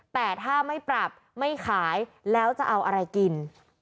แต่ถ้าไม่ปรับไม่ขายแล้วจะเอาอะไรกิน